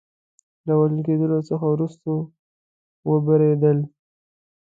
له وژل کېدلو څخه وروسته وبېرېدل.